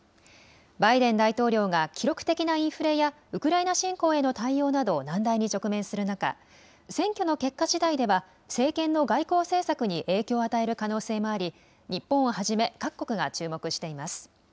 バイデン大統領が記録的なインフレやウクライナ侵攻への対応など難題に直面する中、選挙の結果しだいでは政権の外交政策に影響を与える可能性もあり、日本をはじめ各国が注目しています。